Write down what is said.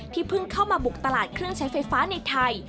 เพิ่งเข้ามาบุกตลาดเครื่องใช้ไฟฟ้าในไทย